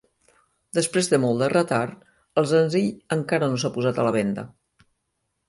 Després de molt de retard, el senzill encara no s'ha posat a la venda.